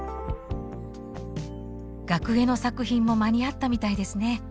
額絵の作品も間に合ったみたいですね。